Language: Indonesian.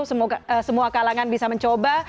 semoga semua kalangan bisa mencoba